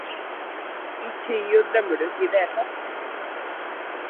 I Cryo drømmer du ikke i det hele tatt